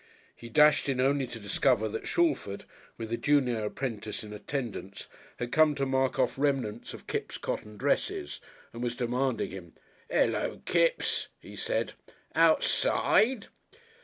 He dashed in only to discover that Shalford, with the junior apprentice in attendance, had come to mark off remnants of Kipps' cotton dresses and was demanding him. "Hullo, Kipps," he said, "outside